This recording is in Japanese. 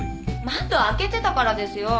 窓開けてたからですよ。